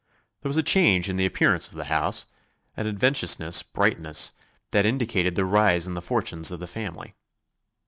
There was a change in the appearance of the house, an adventitious brightness that indicated the rise in the fortunes of the family.